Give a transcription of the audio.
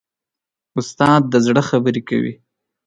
استاد د زړه خبرې کوي.